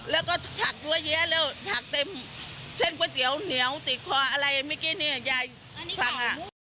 แล้วก็ผักหัวเยี้ยแล้วผักเต็มเช่นก๋วยเตี๋ยวเหนียวติดคออะไรเมื่อกี้เนี่ยยายสั่งอ่ะ